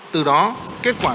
từ đó kết quả